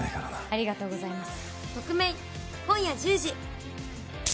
ありがとうございます。